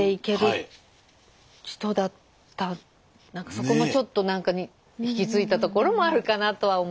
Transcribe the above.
そこもちょっと何か引き継いだところもあるかなとは思う。